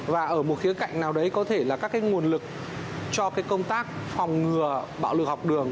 và ở một khía cạnh nào đấy có thể là các nguồn lực cho công tác phòng ngừa bạo lực học đường